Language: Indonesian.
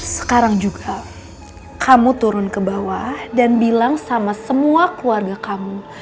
sekarang juga kamu turun ke bawah dan bilang sama semua keluarga kamu